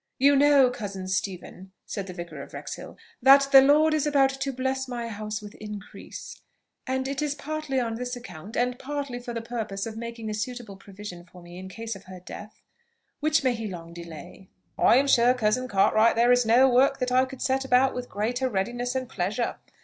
"You know, cousin Stephen," said the Vicar of Wrexhill, "that the Lord is about to bless my house with increase; and it is partly on this account, and partly for the purpose of making a suitable provision for me in case of her death, which may he long delay!" "I am sure, cousin Cartwright, there is no work that I could set about with greater readiness and pleasure.